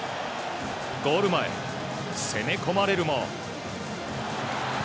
ゴール前、攻め込まれるも。